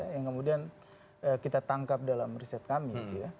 yang kemudian kita tangkap dalam riset kami